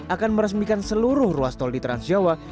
akan meresmikan seluruh ruas tol di trans jawa